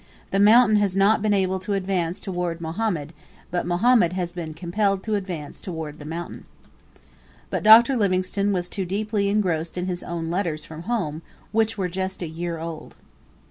The mountain has not been able to advance towards Mohammed, but Mohammed has been compelled to advance towards the mountain." But Dr. Livingstone was too deeply engrossed in his own letters from home, which were just a year old.